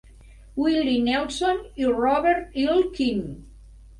Willie Nelson i Robert Earl Keen.